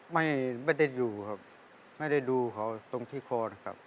ไม่ได้อยู่ครับไม่ได้ดูเขาตรงที่คอนะครับ